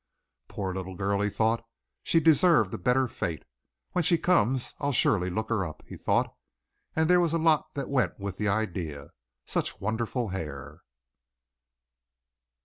"Poor little girl," he thought. She deserved a better fate. "When she comes I'll surely look her up," he thought, and there was a lot that went with the idea. Such wonderful hair!